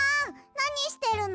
なにしてるの？